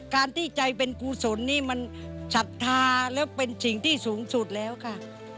ที่ใจเป็นกุศลนี่มันศรัทธาแล้วเป็นสิ่งที่สูงสุดแล้วค่ะ